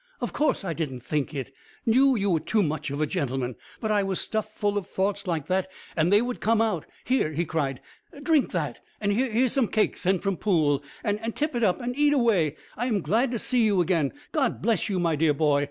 "Of course I didn't think it! Knew you were too much of a gentleman, but I was stuffed full of thoughts like that, and they would come out. Here," he cried, "drink that, and here's some cake sent from Poole, and tip it up, and eat away. I am glad to see you again. God bless you, my dear boy!